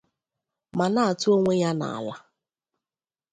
ma na-atụ onwe ya n'ala